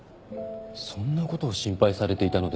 そんなことを心配されていたのですか？